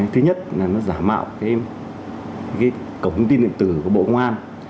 thứ nhất là giả mạo cổng tin điện tử của bộ công an